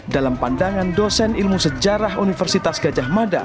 dalam pandangan dosen ilmu sejarah universitas gajah mada